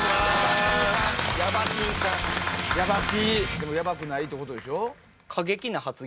でもヤバくないってことでしょ？